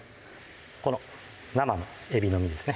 この生のえびの身ですね